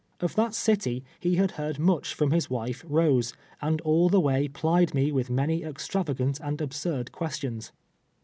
Of that city, he had heard much from his wife, liose, and all the way plied me with many extravagant and absurd questions.